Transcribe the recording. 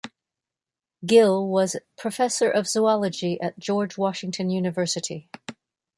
Gill was professor of zoology at George Washington University.